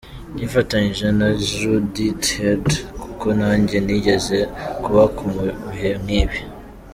Nifatanyije na Judith Heard kuko nanjye nigeze kuba mu bihe nk’ibi.